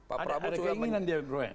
ada keinginan dia bro ya